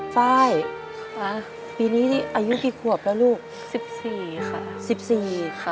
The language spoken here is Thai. ฟ้ายปีนี้อายุกี่ขวบแล้วลูกฟ้าย๑๔ค่ะ